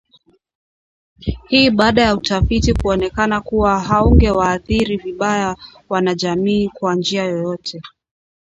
Hii ni baada ya utafiti kuonekana kuwa haungewaathiri vibaya wanajamii kwa njia yoyote